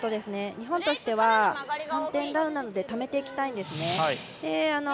日本としては３点ダウンなのでためていきたいんですね。